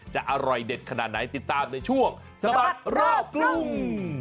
จะอร่อยเด็ดขนาดไหนติดตามในช่วงสะบัดรอบกรุง